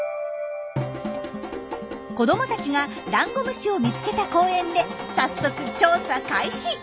子どもたちがダンゴムシを見つけた公園で早速調査開始！